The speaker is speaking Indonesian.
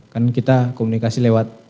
kan kita komunikasi lewat